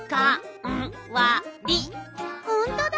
ほんとだ！